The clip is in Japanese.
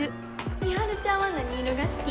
美晴ちゃんは何色が好き？